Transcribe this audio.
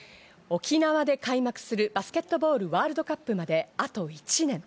沖縄で開幕するバスケットボールワールドカップまであと１年。